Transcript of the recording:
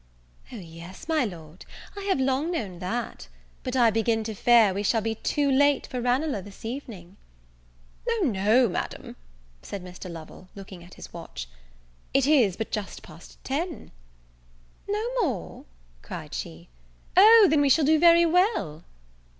"O yes, my Lord, I have long known that. But I begin to fear we shall be too late for Ranelagh this evening." "O no, Madame," said Mr. Lovel, looking at his watch, "it is but just past ten." "No more!" cried she, "O then we shall do very well."